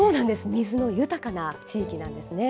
水の豊かな地域なんですね。